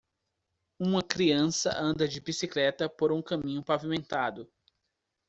Uma criança anda de bicicleta por um caminho pavimentado.